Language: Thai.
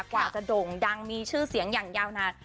กว่าจะโด่งดังมีชื่อเสียงอย่างยาวนาน